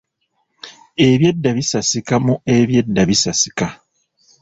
Ebyedda bisasika mu Ebyedda Bisasika